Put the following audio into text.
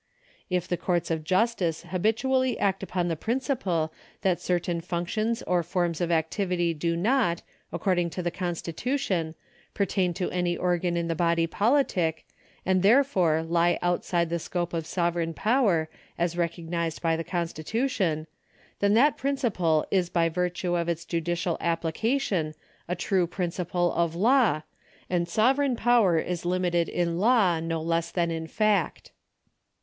If the courts of justice habitually act upon the principle that certain functions or forms of activity do not, according to the constitution, pertain to any organ in the body politic, and therefore lie outside the scojie of sovereign power as recognised by the con stitution, then that principle is by virtue of its judicial application a true principle of law, and sovereign jjower is limited in law no less than in fact.